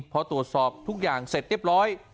พอตรวจสอบทุกอย่างเสร็จเรียบร้อย